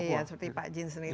iya seperti pak jin sendiri